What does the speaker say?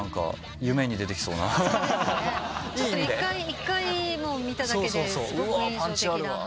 １回見ただけですごく印象的な。